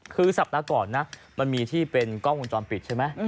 คือสัปดาห์ก่อนนะมันมีที่เป็นกล้องวงจรปิดใช่ไหม